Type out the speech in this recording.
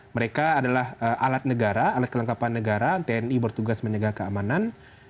mereka adalah alat negara alat kelengkapan negara tni bertugas menjaga keamanan